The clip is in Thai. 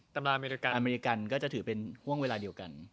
ตำราอเมริกันก็จะถือเป็นห่วงเวลาเดียวกัน